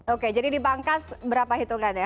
oke jadi di bangkas berapa hitungannya